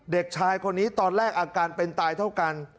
เด็กชายคนนี้ตอนแรกอาการเป็นตายเท่ากัน